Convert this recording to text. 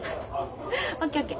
ＯＫＯＫ。